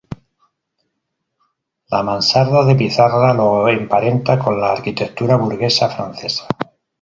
La mansarda de pizarra lo emparenta con la arquitectura burguesa francesa.